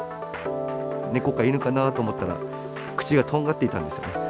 猫か犬かなと思ったら、口がとんがっていたんですよね。